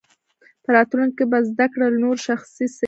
په راتلونکي کې به زده کړه لا نوره شخصي شي.